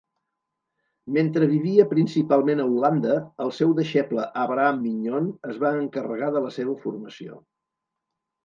Mentre vivia principalment a Holanda, el seu deixeble Abraham Mignon es va encarregar de la seva formació.